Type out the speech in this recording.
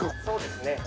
そうですね。